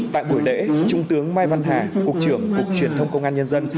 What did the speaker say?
tại buổi lễ trung tướng mai văn hà cục trưởng cục truyền thông công an nhân dân